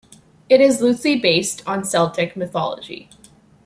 It is loosely based on Celtic mythology.